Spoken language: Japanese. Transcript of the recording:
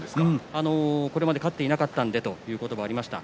これまで勝っていなかったのでということもありました。